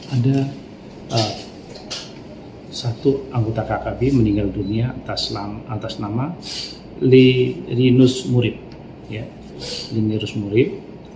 ada satu anggota kkb meninggal dunia atas nama lirinus murib